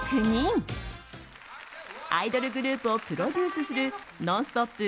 アイドルグループをプロデュースする「ノンストップ！」